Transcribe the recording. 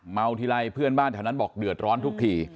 ทีไรเพื่อนบ้านแถวนั้นบอกเดือดร้อนทุกที